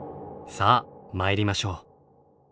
さあ参りましょう。